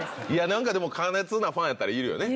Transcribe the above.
でも過熱なファンやったらいるよね。